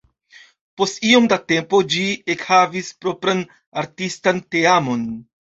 Post iom da tempo ĝi ekhavis propran artistan teamon.